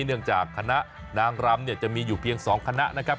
เนื่องจากคณะนางรำเนี่ยจะมีอยู่เพียง๒คณะนะครับ